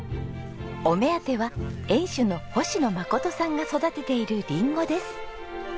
お目当ては園主の星野誠さんが育てているリンゴです。